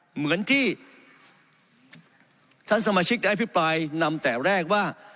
เหมือนที่ท่านสมาชิกได้อภิปรายนำแต่แรกว่า